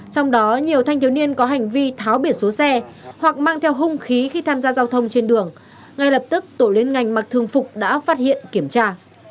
trong đó nhiều thanh thiếu niên có hành vi tháo biển số xe hoặc mang theo hung khí khi tham gia giao thông trên đường ngay lập tức tổ liên ngành mặc thường phục đã phát hiện kiểm tra